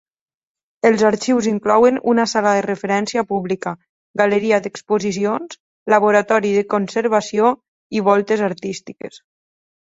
Els arxius inclouen una sala de referència pública, galeria d'exposicions, laboratori de conservació i voltes artístiques.